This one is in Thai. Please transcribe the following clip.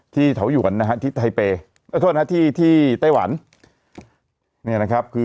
ที่เถาหยวนที่ไต้วัน